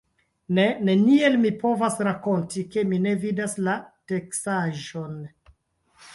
Ne, neniel mi povas rakonti, ke mi ne vidas la teksaĵon!